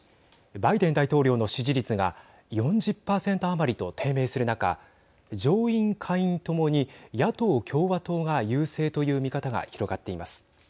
バイデン大統領の支持率が４０％余りと低迷する中上院、下院ともに野党共和党が優勢という見方が広がっています。